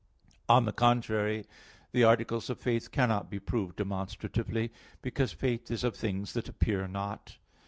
On the contrary, The articles of faith cannot be proved demonstratively, because faith is of things "that appear not" (Heb.